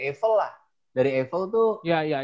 evel lah dari evel tuh